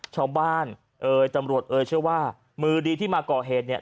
ชาวบ้านเอ่ยตำรวจเอ่ยเชื่อว่ามือดีที่มาก่อเหตุเนี่ย